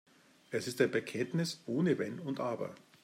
Es ist ein Bekenntnis ohne Wenn und Aber.